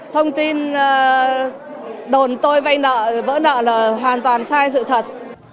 thông tin đồn tôi vay nợ vỡ nợ là hoàn toàn sai sự thật